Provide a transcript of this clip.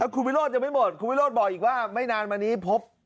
คุณวิโรธยังไม่หมดคุณวิโรธบอกอีกว่าไม่นานมานี้พบ